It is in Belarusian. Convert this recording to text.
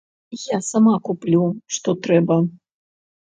Я сама куплю, што трэба.